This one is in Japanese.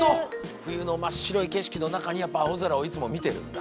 冬の真っ白い景色の中にやっぱ青空をいつも見てるんだ。